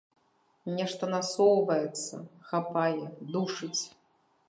Нешта насоўваецца, хапае, душыць.